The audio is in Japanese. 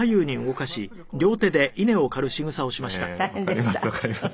わかりますわかります。